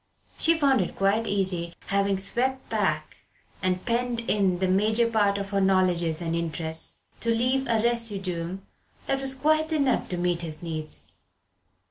She found it quite easy, having swept back and penned in the major part of her knowledges and interests, to leave a residuum that was quite enough to meet his needs.